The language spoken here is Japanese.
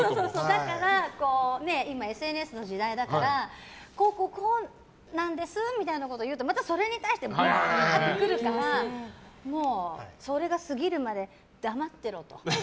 だから今、ＳＮＳの時代だからこうなんですみたいなことを言うとまたそれに対してウワーッとくるからもう、それが過ぎるまで黙ってろと。